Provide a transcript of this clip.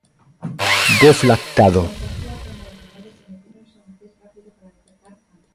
Deflactado.